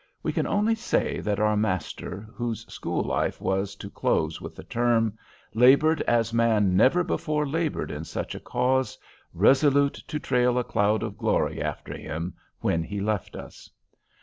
We can only say that our master, whose school life was to close with the term, labored as man never before labored in such a cause, resolute to trail a cloud of glory after him when he left us.